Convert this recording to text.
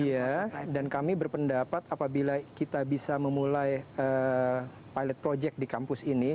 iya dan kami berpendapat apabila kita bisa memulai pilot project di kampus ini